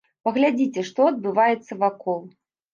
Паглядзіце, што адбываецца вакол.